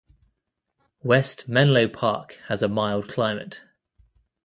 West Menlo Park has a mild climate.